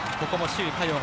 ここも周嘉